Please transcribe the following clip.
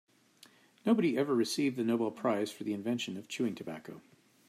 Nobody ever received the Nobel prize for the invention of chewing tobacco.